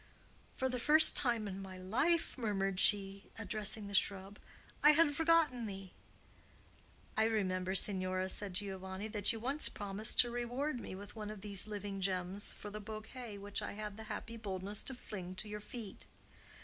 "For the first time in my life," murmured she, addressing the shrub, "I had forgotten thee." "I remember, signora," said Giovanni, "that you once promised to reward me with one of these living gems for the bouquet which I had the happy boldness to fling to your feet.